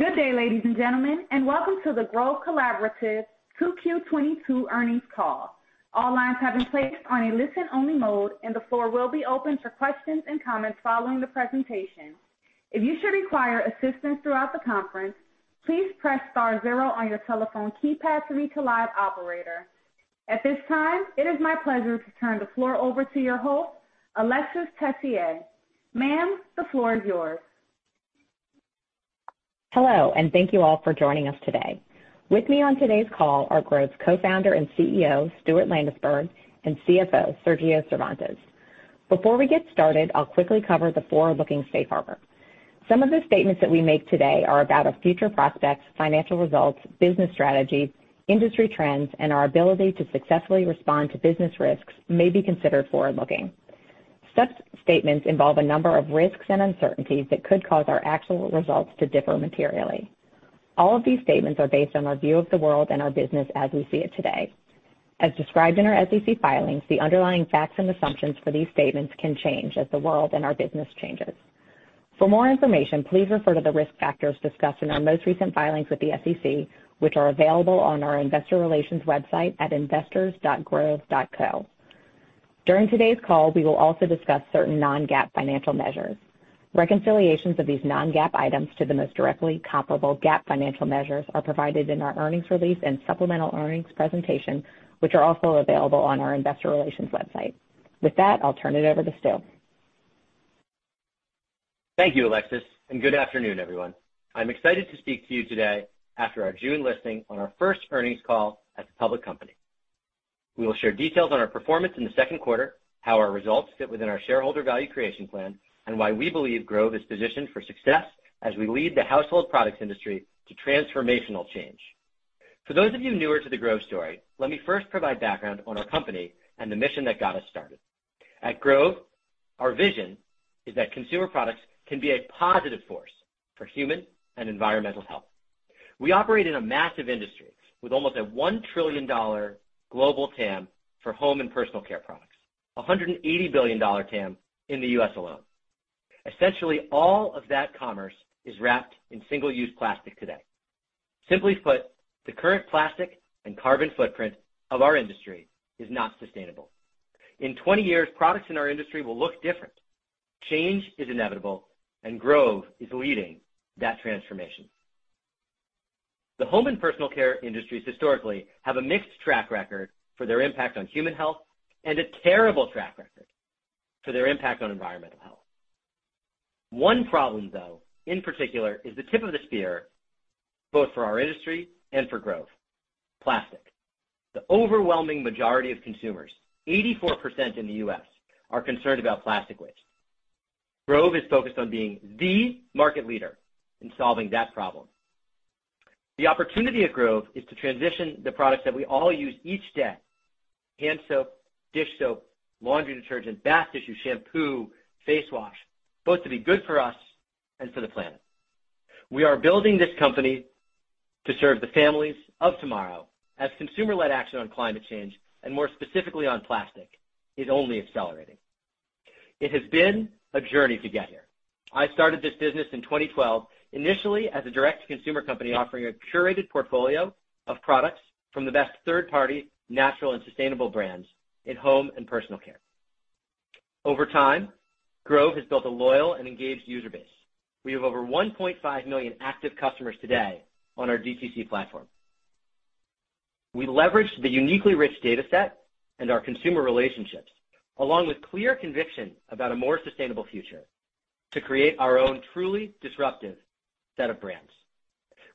Good day, ladies and gentlemen, and welcome to the Grove Collaborative Q2 2022 Earnings Call. All lines have been placed on a listen-only mode, and the floor will be open for questions and comments following the presentation. If you should require assistance throughout the conference, please press star zero on your telephone keypad to reach a live operator. At this time, it is my pleasure to turn the floor over to your host, Alexis Tessier. Ma'am, the floor is yours. Hello, and thank you all for joining us today. With me on today's call are Grove's Co-Founder and CEO, Stuart Landesberg, and CFO, Sergio Cervantes. Before we get started, I'll quickly cover the forward-looking safe harbor. Some of the statements that we make today are about our future prospects, financial results, business strategy, industry trends, and our ability to successfully respond to business risks may be considered forward-looking. Such statements involve a number of risks and uncertainties that could cause our actual results to differ materially. All of these statements are based on our view of the world and our business as we see it today. As described in our SEC filings, the underlying facts and assumptions for these statements can change as the world and our business changes. For more information, please refer to the risk factors discussed in our most recent filings with the SEC, which are available on our investor relations website at investors.grove.co. During today's call, we will also discuss certain non-GAAP financial measures. Reconciliations of these non-GAAP items to the most directly comparable GAAP financial measures are provided in our earnings release and supplemental earnings presentation, which are also available on our investor relations website. With that, I'll turn it over to Stu. Thank you, Alexis, and good afternoon, everyone. I'm excited to speak to you today after our June listing on our first earnings call as a public company. We will share details on our performance in the Q2, how our results fit within our shareholder value creation plan, and why we believe Grove is positioned for success as we lead the household products industry to transformational change. For those of you newer to the Grove story, let me first provide background on our company and the mission that got us started. At Grove, our vision is that consumer products can be a positive force for human and environmental health. We operate in a massive industry with almost a $1 trillion global TAM for home and personal care products, a $180 billion TAM in the U.S. alone. Essentially, all of that commerce is wrapped in single-use plastic today. Simply put, the current plastic and carbon footprint of our industry is not sustainable. In 20 years, products in our industry will look different. Change is inevitable, and Grove is leading that transformation. The home and personal care industries historically have a mixed track record for their impact on human health and a terrible track record for their impact on environmental health. One problem, though, in particular, is the tip of the spear, both for our industry and for growth, plastic. The overwhelming majority of consumers, 84% in the U.S., are concerned about plastic waste. Grove is focused on being the market leader in solving that problem. The opportunity at Grove is to transition the products that we all use each day, hand soap, dish soap, laundry detergent, bath tissue, shampoo, face wash, both to be good for us and for the planet. We are building this company to serve the families of tomorrow as consumer-led action on climate change, and more specifically on plastic, is only accelerating. It has been a journey to get here. I started this business in 2012, initially as a direct-to-consumer company offering a curated portfolio of products from the best third-party natural and sustainable brands in home and personal care. Over time, Grove has built a loyal and engaged user base. We have over 1.5 million active customers today on our DTC platform. We leveraged the uniquely rich data set and our consumer relationships, along with clear conviction about a more sustainable future to create our own truly disruptive set of brands.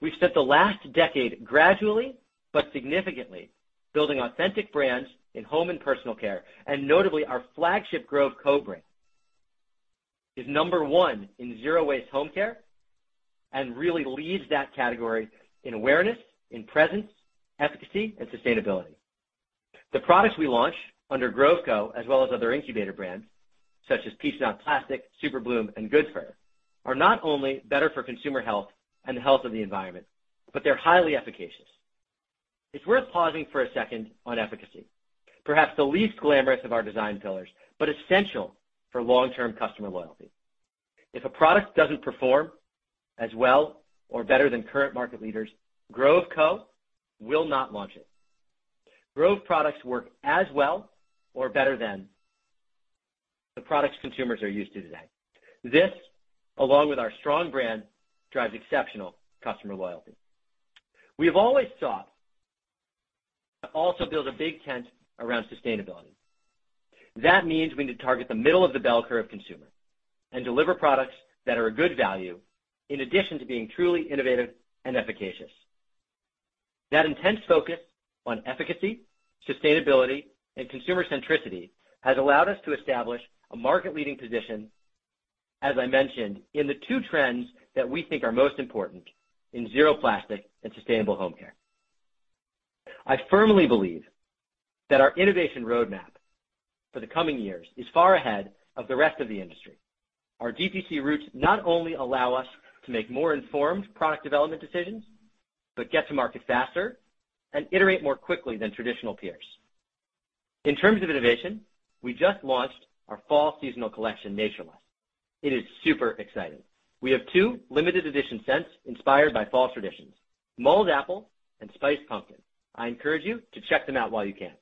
We've spent the last decade gradually but significantly building authentic brands in home and personal care, and notably, our flagship Grove Co. brand is number one in zero-waste home care and really leads that category in awareness, in presence, efficacy, and sustainability. The products we launch under Grove Co., as well as other incubator brands, such as Peach Not Plastic, Superbloom, and Goodever, are not only better for consumer health and the health of the environment, but they're highly efficacious. It's worth pausing for a second on efficacy. Perhaps the least glamorous of our design pillars, but essential for long-term customer loyalty. If a product doesn't perform as well or better than current market leaders, Grove Co. will not launch it. Grove products work as well or better than the products consumers are used to today. This, along with our strong brand, drives exceptional customer loyalty. We have always sought to also build a big tent around sustainability. That means we need to target the middle of the bell curve consumer and deliver products that are a good value in addition to being truly innovative and efficacious. That intense focus on efficacy, sustainability, and consumer centricity has allowed us to establish a market-leading position, as I mentioned, in the two trends that we think are most important in zero plastic and sustainable home care. I firmly believe that our innovation roadmap for the coming years is far ahead of the rest of the industry. Our DTC roots not only allow us to make more informed product development decisions, but get to market faster and iterate more quickly than traditional peers. In terms of innovation, we just launched our fall seasonal collection, Naturelust. It is super exciting. We have two limited edition scents inspired by fall traditions, mulled apple and spiced pumpkin. I encourage you to check them out while you can.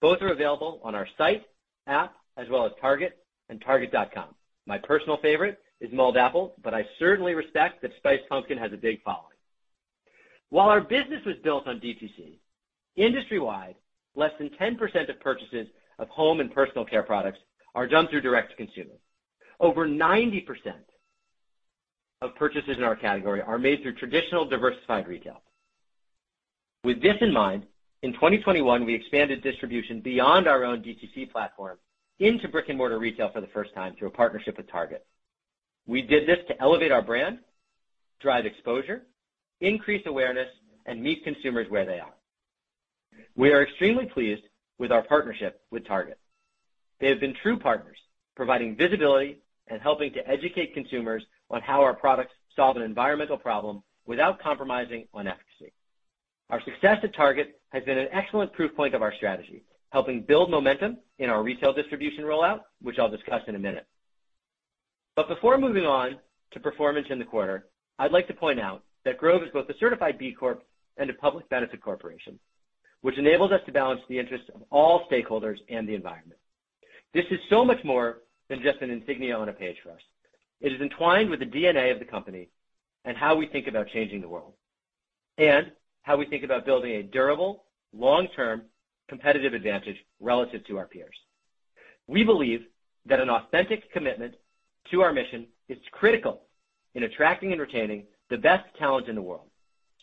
Both are available on our site, app, as well as Target and target.com. My personal favorite is mulled apple, but I certainly respect that spiced pumpkin has a big following. While our business was built on DTC, industry-wide, less than 10% of purchases of home and personal care products are done through direct to consumer. Over 90% of purchases in our category are made through traditional diversified retail. With this in mind, in 2021, we expanded distribution beyond our own DTC platform into brick-and-mortar retail for the first time through a partnership with Target. We did this to elevate our brand, drive exposure, increase awareness, and meet consumers where they are. We are extremely pleased with our partnership with Target. They have been true partners, providing visibility and helping to educate consumers on how our products solve an environmental problem without compromising on efficacy. Our success at Target has been an excellent proof point of our strategy, helping build momentum in our retail distribution rollout, which I'll discuss in a minute. Before moving on to performance in the quarter, I'd like to point out that Grove is both a certified B Corp and a public benefit corporation, which enables us to balance the interests of all stakeholders and the environment. This is so much more than just an insignia on a page for us. It is entwined with the DNA of the company and how we think about changing the world, and how we think about building a durable, long-term competitive advantage relative to our peers. We believe that an authentic commitment to our mission is critical in attracting and retaining the best talent in the world,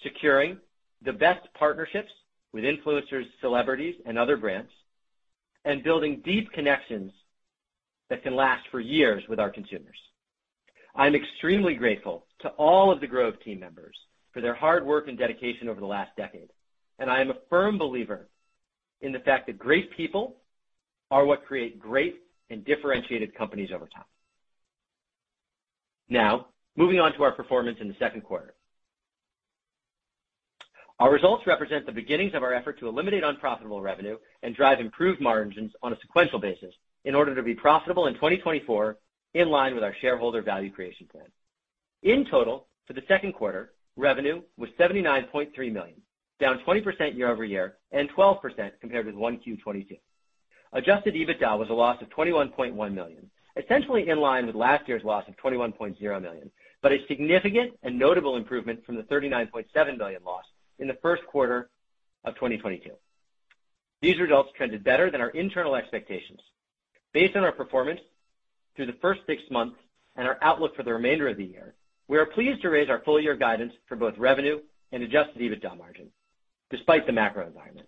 securing the best partnerships with influencers, celebrities, and other brands, and building deep connections that can last for years with our consumers. I'm extremely grateful to all of the Grove team members for their hard work and dedication over the last decade, and I am a firm believer in the fact that great people are what create great and differentiated companies over time. Now, moving on to our performance in the Q2. Our results represent the beginnings of our effort to eliminate unprofitable revenue and drive improved margins on a sequential basis in order to be profitable in 2024, in line with our shareholder value creation plan. In total, for the Q2, revenue was $79.3 million, down 20% year-over-year and 12% compared with Q1 2022. Adjusted EBITDA was a loss of $21.1 million, essentially in line with last year's loss of $21.0 million, but a significant and notable improvement from the $39.7 million loss in the Q1 of 2022. These results trended better than our internal expectations. Based on our performance through the first six months and our outlook for the remainder of the year, we are pleased to raise our full year guidance for both revenue and Adjusted EBITDA margin despite the macro environment.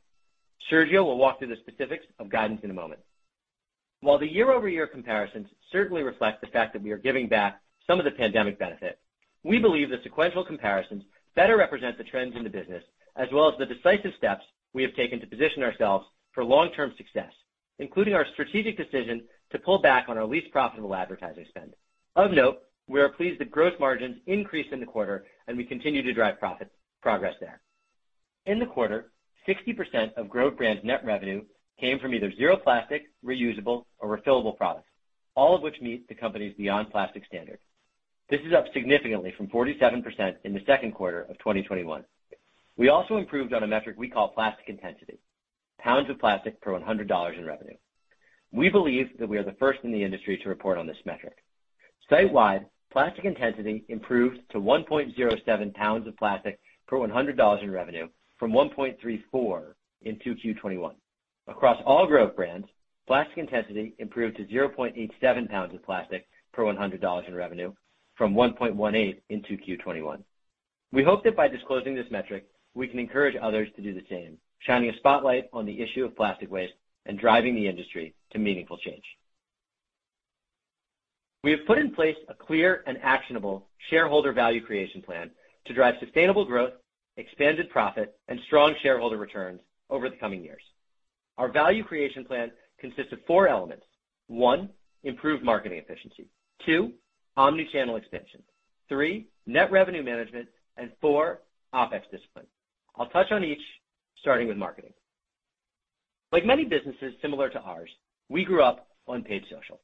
Sergio will walk through the specifics of guidance in a moment. While the year-over-year comparisons certainly reflect the fact that we are giving back some of the pandemic benefit, we believe the sequential comparisons better represent the trends in the business, as well as the decisive steps we have taken to position ourselves for long-term success, including our strategic decision to pull back on our least profitable advertising spend. Of note, we are pleased that gross margins increased in the quarter and we continue to drive profit progress there. In the quarter, 60% of growth brands net revenue came from either zero plastic, reusable or refillable products, all of which meet the company's Beyond Plastic standard. This is up significantly from 47% in the Q2 of 2021. We also improved on a metric we call plastic intensity, pounds of plastic per $100 in revenue. We believe that we are the first in the industry to report on this metric. Sitewide plastic intensity improved to 1.07 pounds of plastic per $100 in revenue from 1.34 in Q2 2021. Across all growth brands, plastic intensity improved to 0.87 pounds of plastic per $100 in revenue from 1.18 in Q2 2021. We hope that by disclosing this metric, we can encourage others to do the same, shining a spotlight on the issue of plastic waste and driving the industry to meaningful change. We have put in place a clear and actionable shareholder value creation plan to drive sustainable growth, expanded profit, and strong shareholder returns over the coming years. Our value creation plan consists of four elements. One, improve marketing efficiency. Two, omni-channel expansion. Three, net revenue management, and four, OpEx discipline. I'll touch on each, starting with marketing. Like many businesses similar to ours, we grew up on paid social,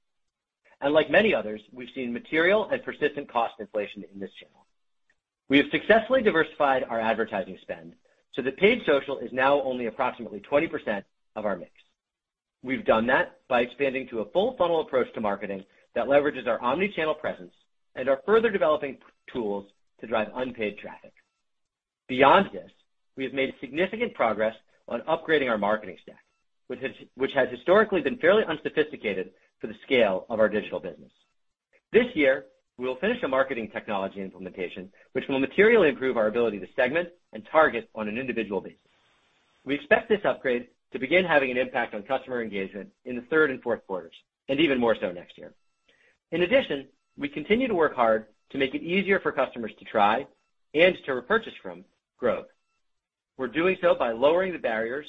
and like many others, we've seen material and persistent cost inflation in this channel. We have successfully diversified our advertising spend so that paid social is now only approximately 20% of our mix. We've done that by expanding to a full funnel approach to marketing that leverages our omni-channel presence and are further developing tools to drive unpaid traffic. Beyond this, we have made significant progress on upgrading our marketing stack, which has historically been fairly unsophisticated for the scale of our digital business. This year, we will finish a marketing technology implementation which will materially improve our ability to segment and target on an individual basis. We expect this upgrade to begin having an impact on customer engagement in the third and Q4s, and even more so next year. In addition, we continue to work hard to make it easier for customers to try and to repurchase from Grove. We're doing so by lowering the barriers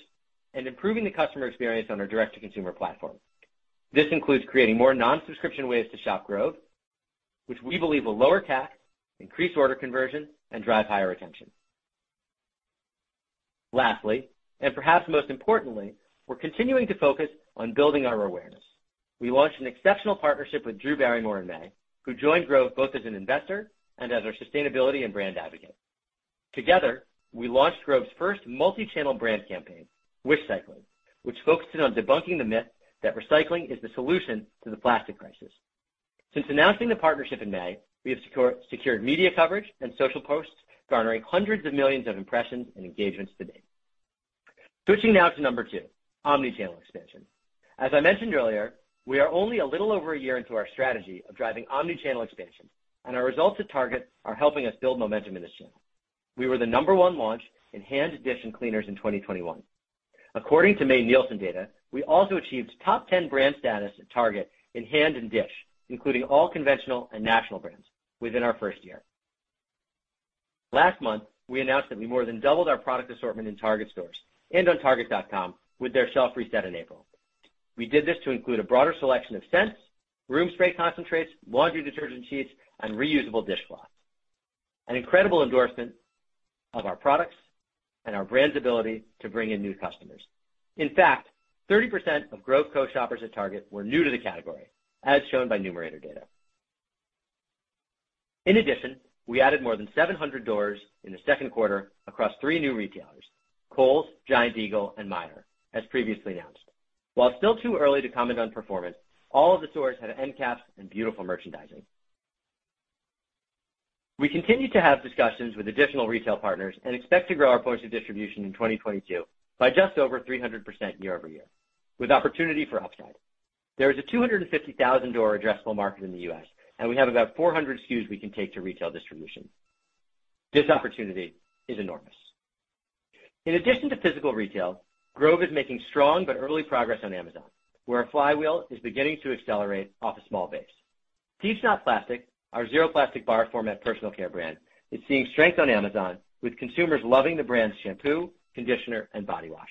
and improving the customer experience on our direct-to-consumer platform. This includes creating more non-subscription ways to shop Grove, which we believe will lower CAC, increase order conversion, and drive higher retention. Lastly, and perhaps most importantly, we're continuing to focus on building our awareness. We launched an exceptional partnership with Drew Barrymore in May, who joined Grove both as an investor and as our sustainability and brand advocate. Together, we launched Grove's first multi-channel brand campaign, Wish-cycling, which focused in on debunking the myth that recycling is the solution to the plastic crisis. Since announcing the partnership in May, we have secured media coverage and social posts garnering hundreds of millions of impressions and engagements to date. Switching now to number two, omni-channel expansion. As I mentioned earlier, we are only a little over a year into our strategy of driving omni-channel expansion, and our results at Target are helping us build momentum in this channel. We were the number one launch in hand dish and cleaners in 2021. According to May Nielsen data, we also achieved top 10 brand status at Target in hand and dish, including all conventional and national brands within our first year. Last month, we announced that we more than doubled our product assortment in Target stores and on target.com with their shelf reset in April. We did this to include a broader selection of scents, room spray concentrates, laundry detergent sheets, and reusable dishcloths. An incredible endorsement of our products and our brand's ability to bring in new customers. In fact, 30% of Grove Co. shoppers at Target were new to the category, as shown by Numerator data. In addition, we added more than 700 doors in the Q2 across three new retailers, Kohl's, Giant Eagle, and Meijer, as previously announced. While it's still too early to comment on performance, all of the stores had end caps and beautiful merchandising. We continue to have discussions with additional retail partners and expect to grow our points of distribution in 2022 by just over 300% year-over-year, with opportunity for upside. There is a 250,000 door addressable market in the U.S., and we have about 400 SKUs we can take to retail distribution. This opportunity is enormous. In addition to physical retail, Grove is making strong but early progress on Amazon, where our flywheel is beginning to accelerate off a small base. Peach Not Plastic, our zero plastic bar format personal care brand, is seeing strength on Amazon with consumers loving the brand's shampoo, conditioner, and body wash.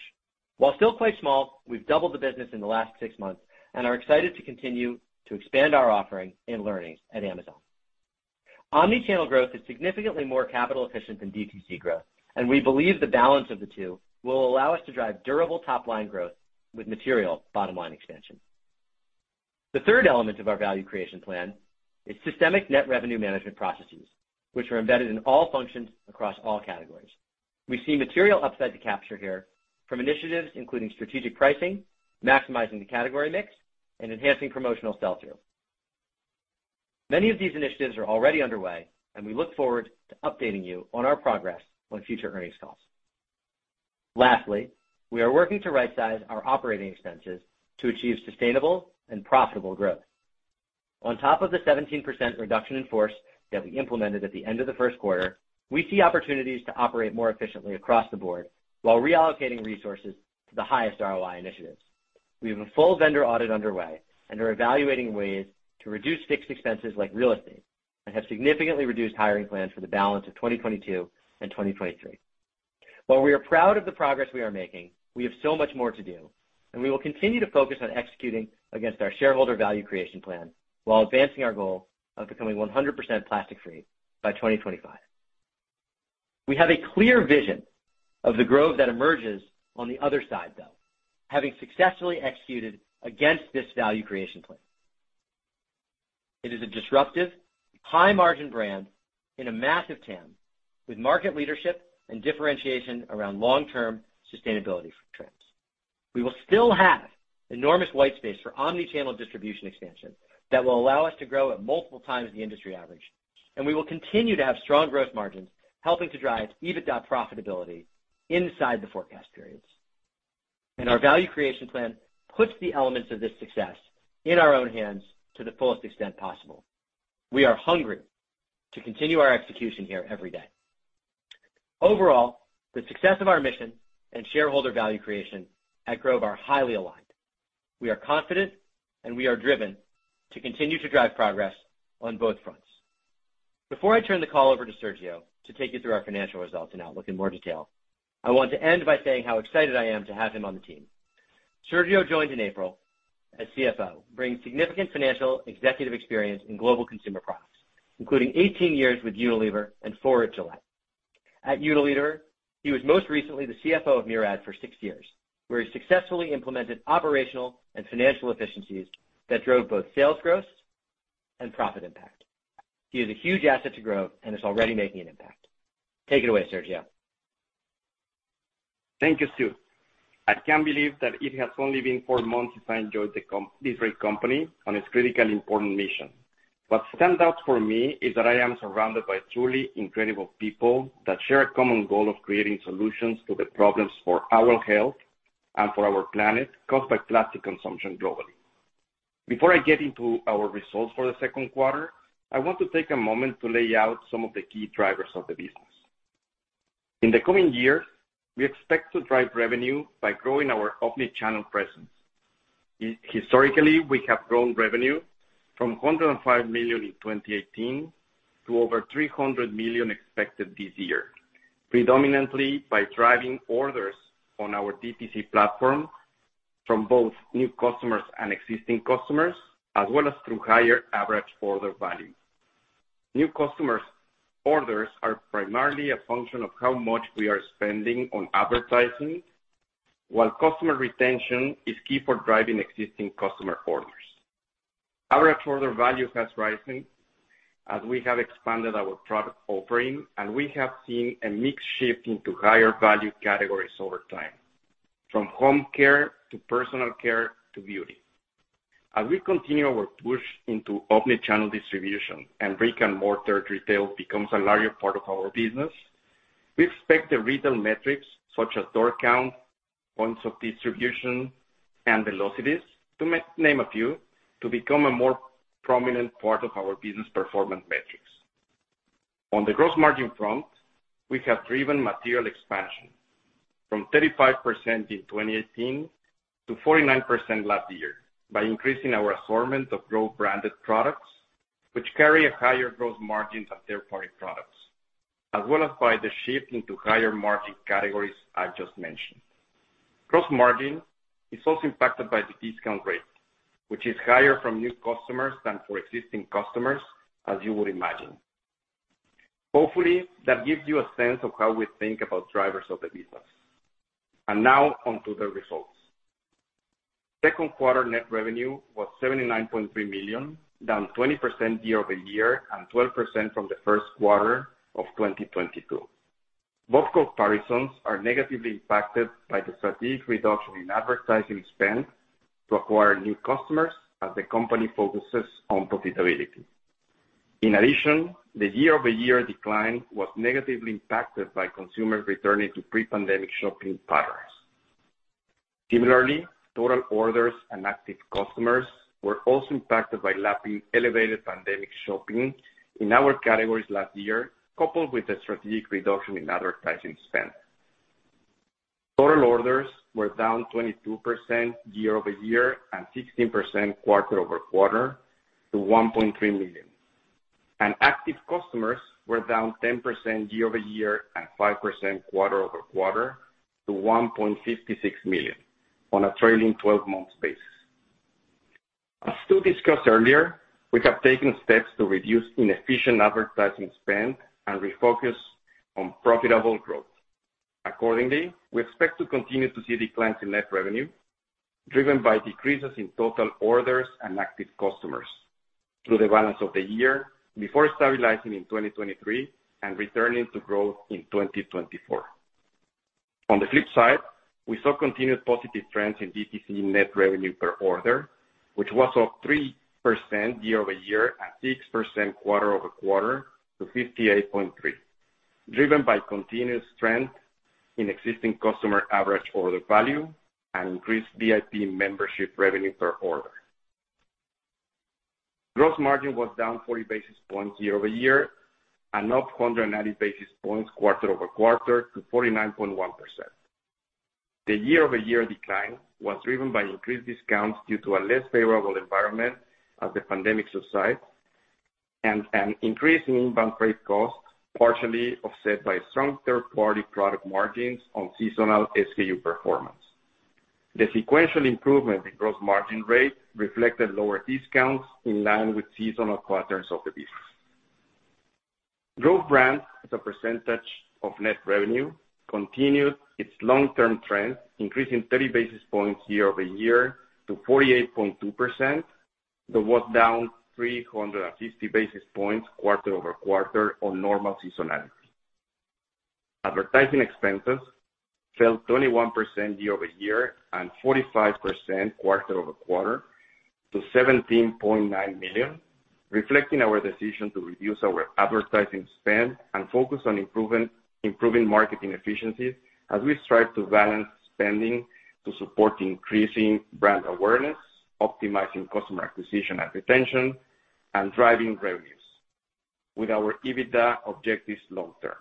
While still quite small, we've doubled the business in the last six months and are excited to continue to expand our offering and learnings at Amazon. Omni-channel growth is significantly more capital efficient than DTC growth, and we believe the balance of the two will allow us to drive durable top-line growth with material bottom-line expansion. The third element of our value creation plan is systemic net revenue management processes, which are embedded in all functions across all categories. We see material upside to capture here from initiatives including strategic pricing, maximizing the category mix, and enhancing promotional sell-through. Many of these initiatives are already underway, and we look forward to updating you on our progress on future earnings calls. Lastly, we are working to right-size our operating expenses to achieve sustainable and profitable growth. On top of the 17% reduction in force that we implemented at the end of the Q1, we see opportunities to operate more efficiently across the board while reallocating resources to the highest ROI initiatives. We have a full vendor audit underway and are evaluating ways to reduce fixed expenses like real estate and have significantly reduced hiring plans for the balance of 2022 and 2023. While we are proud of the progress we are making, we have so much more to do, and we will continue to focus on executing against our shareholder value creation plan while advancing our goal of becoming 100% plastic-free by 2025. We have a clear vision of the growth that emerges on the other side, though, having successfully executed against this value creation plan. It is a disruptive, high-margin brand in a massive TAM with market leadership and differentiation around long-term sustainability trends. We will still have enormous white space for omni-channel distribution expansion that will allow us to grow at multiple times the industry average, and we will continue to have strong growth margins, helping to drive EBITDA profitability inside the forecast periods. Our value creation plan puts the elements of this success in our own hands to the fullest extent possible. We are hungry to continue our execution here every day. Overall, the success of our mission and shareholder value creation at Grove are highly aligned. We are confident and we are driven to continue to drive progress on both fronts. Before I turn the call over to Sergio to take you through our financial results and outlook in more detail, I want to end by saying how excited I am to have him on the team. Sergio joined in April as CFO, bringing significant financial executive experience in global consumer products, including 18 years with Unilever and four at Gillette. At Unilever, he was most recently the CFO of Murad for six years, where he successfully implemented operational and financial efficiencies that drove both sales growth and profit impact. He is a huge asset to growth and is already making an impact. Take it away, Sergio. Thank you, Stu. I can't believe that it has only been four months since I joined this great company on its critically important mission. What stands out for me is that I am surrounded by truly incredible people that share a common goal of creating solutions to the problems for our health and for our planet caused by plastic consumption globally. Before I get into our results for the Q2, I want to take a moment to lay out some of the key drivers of the business. In the coming years, we expect to drive revenue by growing our omni-channel presence. Historically, we have grown revenue from $105 million in 2018 to over $300 million expected this year, predominantly by driving orders on our DTC platform from both new customers and existing customers, as well as through higher average order value. New customers' orders are primarily a function of how much we are spending on advertising, while customer retention is key for driving existing customer orders. Average order value has risen as we have expanded our product offering, and we have seen a mixed shift into higher value categories over time, from home care to personal care to beauty. As we continue our push into omni-channel distribution and brick-and-mortar retail becomes a larger part of our business, we expect the retail metrics such as door count, points of distribution, and velocities, to name a few, to become a more prominent part of our business performance metrics. On the gross margin front, we have driven material expansion from 35% in 2018 to 49% last year by increasing our assortment of Grove branded products, which carry a higher gross margins of third-party products, as well as by the shift into higher margin categories I just mentioned. Gross margin is also impacted by the discount rate, which is higher from new customers than for existing customers, as you would imagine. Hopefully, that gives you a sense of how we think about drivers of the business. Now on to the results. Q2 net revenue was $79.3 million, down 20% year-over-year and 12% from the Q1 of 2022. Both comparisons are negatively impacted by the strategic reduction in advertising spend to acquire new customers as the company focuses on profitability. In addition, the year-over-year decline was negatively impacted by consumers returning to pre-pandemic shopping patterns. Similarly, total orders and active customers were also impacted by lapping elevated pandemic shopping in our categories last year, coupled with a strategic reduction in advertising spend. Total orders were down 22% year-over-year and 16% quarter-over-quarter to 1.3 million. Active customers were down 10% year-over-year and 5% quarter-over-quarter to 1.56 million on a trailing 12-month basis. As Stu discussed earlier, we have taken steps to reduce inefficient advertising spend and refocus on profitable growth. Accordingly, we expect to continue to see declines in net revenue driven by decreases in total orders and active customers through the balance of the year before stabilizing in 2023 and returning to growth in 2024. On the flip side, we saw continued positive trends in DTC net revenue per order, which was up 3% year-over-year and 6% quarter-over-quarter to 58.3%, driven by continuous strength in existing customer average order value and increased VIP membership revenue per order. Gross margin was down 40 basis points year-over-year and up 190 basis points quarter-over-quarter to 49.1%. The year-over-year decline was driven by increased discounts due to a less favorable environment as the pandemic subsides and an increase in inbound freight costs, partially offset by strong third-party product margins on seasonal SKU performance. The sequential improvement in gross margin rate reflected lower discounts in line with seasonal patterns of the business. Growth brand as a percentage of net revenue continued its long-term trend, increasing 30 basis points year-over-year to 48.2%. That was down 350 basis points quarter-over-quarter on normal seasonality. Advertising expenses fell 21% year-over-year and 45% quarter-over-quarter to $17.9 million, reflecting our decision to reduce our advertising spend and focus on improving marketing efficiencies as we strive to balance spending to support increasing brand awareness, optimizing customer acquisition and retention, and driving revenues with our EBITDA objectives long term.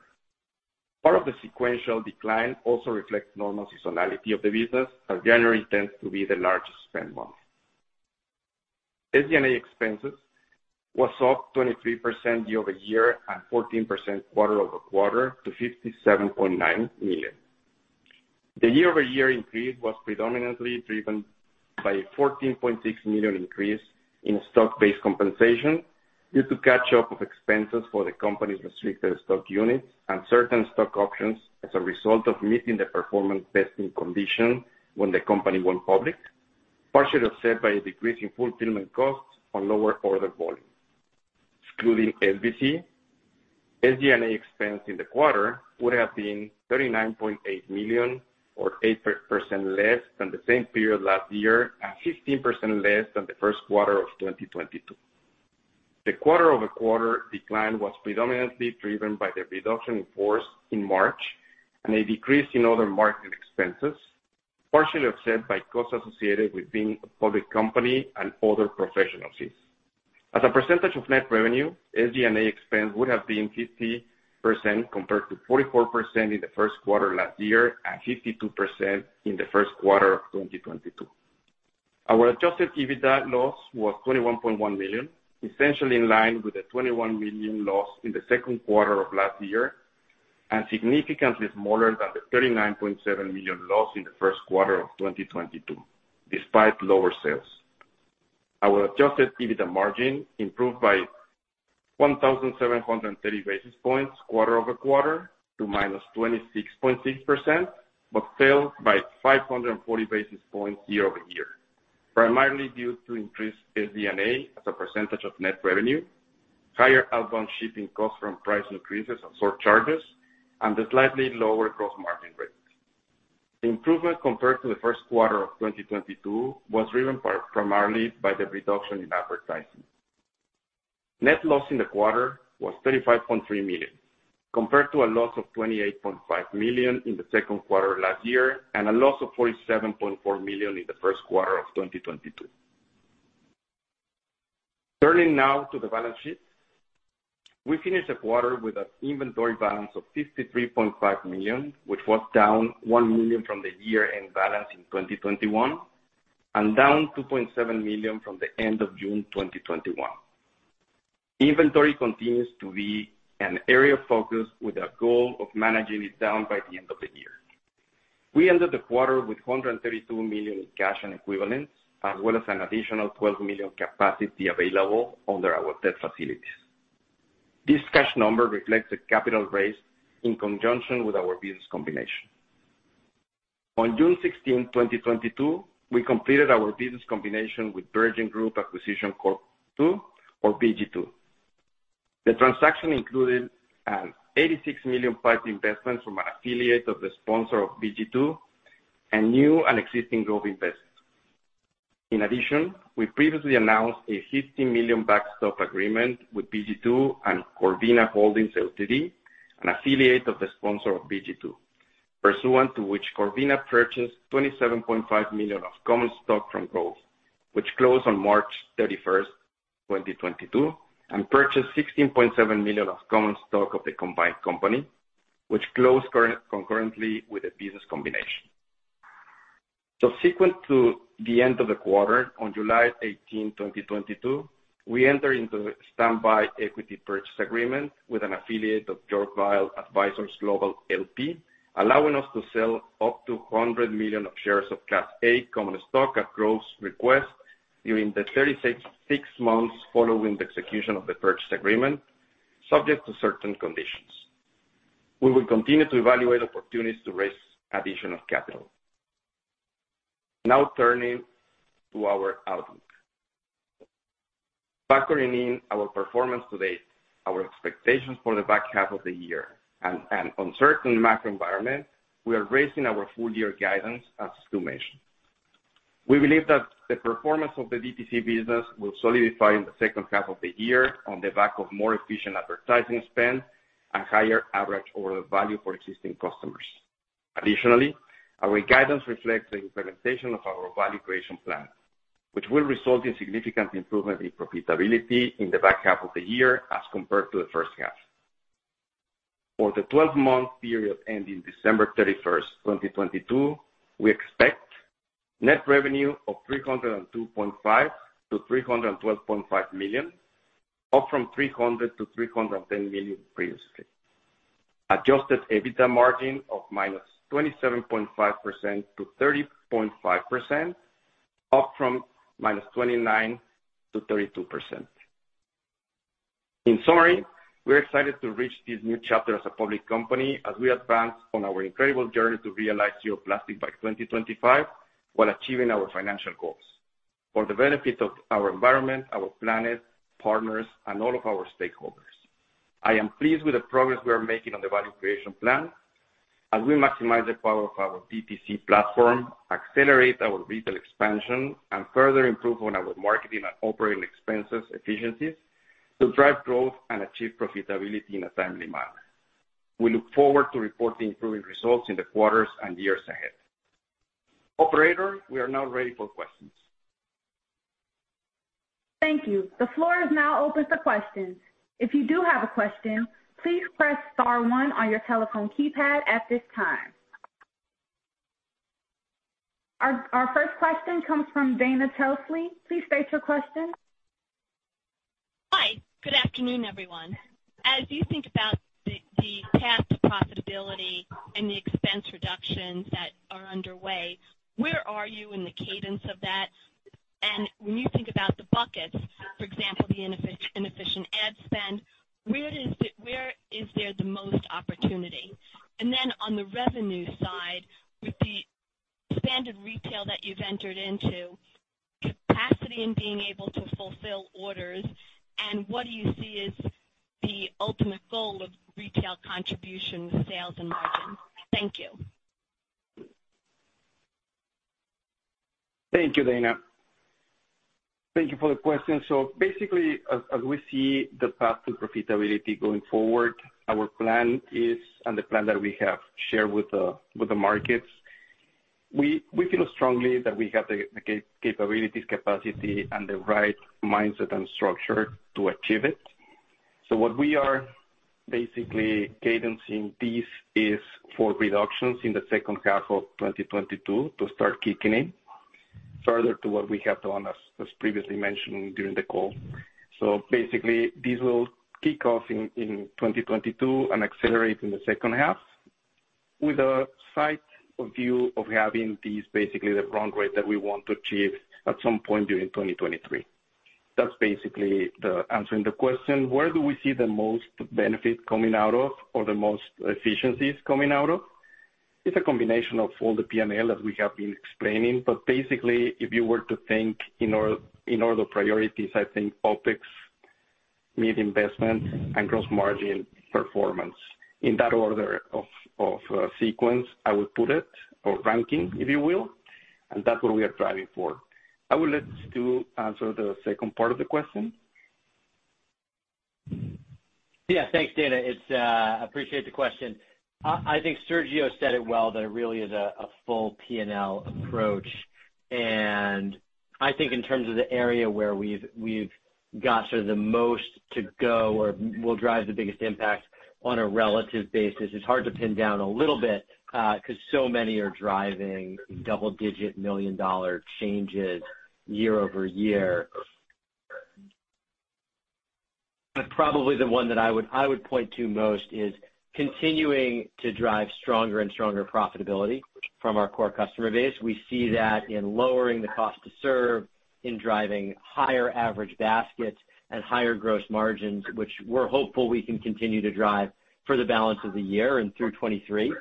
Part of the sequential decline also reflects normal seasonality of the business, as January tends to be the largest spend month. SG&A expenses was up 23% year-over-year and 14% quarter-over-quarter to $57.9 million. The year-over-year increase was predominantly driven by a $14.6 million increase in stock-based compensation due to catch-up of expenses for the company's restricted stock units and certain stock options as a result of meeting the performance-based condition when the company went public, partially offset by a decrease in fulfillment costs on lower order volumes. Excluding SBC, SG&A expense in the quarter would have been $39.8 million or 8% less than the same period last year and 15% less than the Q1 of 2022. The quarter-over-quarter decline was predominantly driven by the reduction in force in March and a decrease in order and marketing expenses, partially offset by costs associated with being a public company and other professional fees. As a percentage of net revenue, SG&A expense would have been 50% compared to 44% in the Q1 last year and 52% in the Q1 of 2022. Our adjusted EBITDA loss was $21.1 million, essentially in line with the $21 million loss in the Q2 of last year and significantly smaller than the $39.7 million loss in the Q1 of 2022 despite lower sales. Our adjusted EBITDA margin improved by 1,730 basis points quarter-over-quarter to -26.6%, but fell by 540 basis points year-over-year, primarily due to increased SG&A as a percentage of net revenue, higher outbound shipping costs from price increases on surcharges, and the slightly lower gross margin rates. Improvement compared to the Q1 of 2022 was driven primarily by the reduction in advertising. Net loss in the quarter was $35.3 million, compared to a loss of $28.5 million in the Q2 last year, and a loss of $47.4 million in the Q1 of 2022. Turning now to the balance sheet. We finished the quarter with an inventory balance of $53.5 million, which was down $1 million from the year-end balance in 2021 and down $2.7 million from the end of June 2021. Inventory continues to be an area of focus with a goal of managing it down by the end of the year. We ended the quarter with $132 million in cash and equivalents, as well as an additional $12 million capacity available under our debt facilities. This cash number reflects the capital raise in conjunction with our business combination. On June 16, 2022, we completed our business combination with Virgin Group Acquisition Corp. II or VGII. The transaction included $86 million PIPE investments from an affiliate of the sponsor of VGII and new and existing growth investors. In addition, we previously announced a $50 million backstop agreement with VGII and Corvina Holdings, Limited, an affiliate of the sponsor of VGII, pursuant to which Corvina purchased $27.5 million of common stock from Grove, which closed on March 31, 2022, and purchased $16.7 million of common stock of the combined company, which closed concurrently with the business combination. Subsequent to the end of the quarter, on July 18, 2022, we entered into a standby equity purchase agreement with an affiliate of Yorkville Advisors Global, LP, allowing us to sell up to 100 million shares of Class A common stock at our request during the 36 months following the execution of the purchase agreement, subject to certain conditions. We will continue to evaluate opportunities to raise additional capital. Now turning to our outlook. Factoring in our performance to date, our expectations for the back half of the year and uncertain macro environment, we are raising our full year guidance as mentioned. We believe that the performance of the DTC business will solidify in the second half of the year on the back of more efficient advertising spend and higher average order value for existing customers. Additionally, our guidance reflects the implementation of our value creation plan, which will result in significant improvement in profitability in the back half of the year as compared to the first half. For the 12-month period ending December 31, 2022, we expect net revenue of $302.5 - 312.5 million, up from $300 - 310 million previously. Adjusted EBITDA margin of -27.5% to 30.5%, up from -29% to 32%. In summary, we're excited to reach this new chapter as a public company as we advance on our incredible journey to realize zero plastic by 2025 while achieving our financial goals for the benefit of our environment, our planet, partners, and all of our stakeholders. I am pleased with the progress we are making on the value creation plan as we maximize the power of our DTC platform, accelerate our retail expansion, and further improve on our marketing and operating expenses efficiencies to drive growth and achieve profitability in a timely manner. We look forward to reporting improving results in the quarters and years ahead. Operator, we are now ready for questions. Thank you. The floor is now open to questions. If you do have a question, please press * 1 on your telephone keypad at this time. Our first question comes from Dana Telsey. Please state your question. Hi. Good afternoon, everyone. As you think about the path to profitability and the expense reductions that are underway, where are you in the cadence of that? When you think about the buckets, for example, the inefficient ad spend, where is there the most opportunity? On the revenue side, with the expanded retail that you've entered into, capacity in being able to fulfill orders, and what do you see as the ultimate goal of retail contribution sales and margin? Thank you. Thank you, Dana. Thank you for the question. Basically as we see the path to profitability going forward, our plan is, and the plan that we have shared with the markets, we feel strongly that we have the capabilities, capacity and the right mindset and structure to achieve it. What we are basically cadencing this is for reductions in the second half of 2022 to start kicking in further to what we have done as previously mentioned during the call. Basically, this will kick off in 2022 and accelerate in the second half with a view to having these basically the run rate that we want to achieve at some point during 2023. That's basically. Answering the question, where do we see the most benefit coming out of or the most efficiencies coming out of? It's a combination of all the PNL as we have been explaining, but basically, if you were to think in order of priorities, I think OpEx, mid investment, and gross margin performance. In that order of sequence, I would put it or ranking, if you will, and that's what we are driving for. I will let Stu answer the second part of the question. Yeah. Thanks, Dana. I appreciate the question. I think Sergio said it well, that it really is a full PNL approach. I think in terms of the area where we've got sort of the most to go or will drive the biggest impact on a relative basis, it's hard to pin down a little bit, 'cause so many are driving double-digit million-dollar changes year-over-year. Probably the one that I would point to most is continuing to drive stronger and stronger profitability from our core customer base. We see that in lowering the cost to serve, in driving higher average baskets and higher gross margins, which we're hopeful we can continue to drive for the balance of the year and through 2023.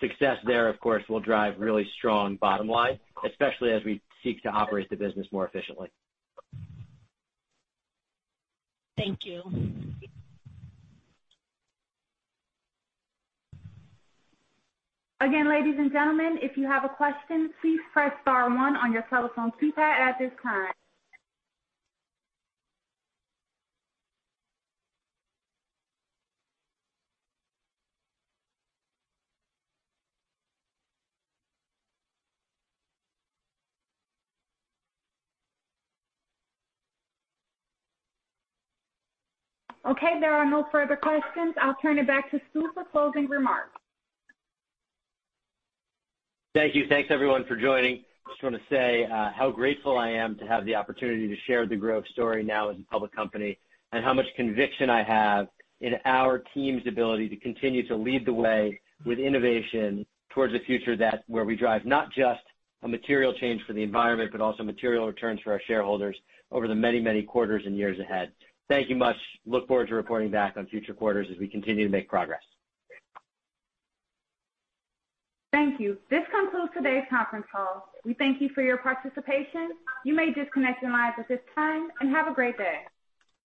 Success there, of course, will drive really strong bottom line, especially as we seek to operate the business more efficiently. Thank you. Again, ladies and gentlemen, if you have a question, please press * 1 on your telephone keypad at this time. Okay, there are no further questions. I'll turn it back to Stu for closing remarks. Thank you. Thanks everyone for joining. Just wanna say how grateful I am to have the opportunity to share the Grove story now as a public company, and how much conviction I have in our team's ability to continue to lead the way with innovation towards a future where we drive not just a material change for the environment, but also material returns for our shareholders over the many, many quarters and years ahead. Thank you much. Look forward to reporting back on future quarters as we continue to make progress. Thank you. This concludes today's conference call. We thank you for your participation. You may disconnect your lines at this time, and have a great day.